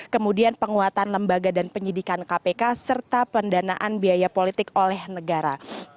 kemudian penguatan lembaga dan penyidikan kpk serta pendanaan biaya politik oleh negara